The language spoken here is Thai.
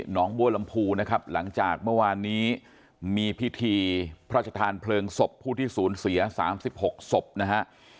งบัวลำพูนะครับหลังจากเมื่อวานนี้มีพิธีพระชธานเพลิงศพผู้ที่สูญเสีย๓๖ศพนะฮะ